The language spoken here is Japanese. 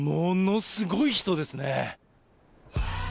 ものすごい人ですね。